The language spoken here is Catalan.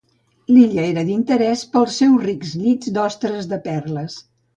L'illa era d'interès pels seus rics llits d'ostres de perles.